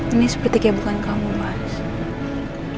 ini seperti kayak bukan kamu mas